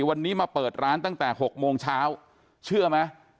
วันนี้มาเปิดร้านตั้งแต่๖โมงเช้าเชื่อไหม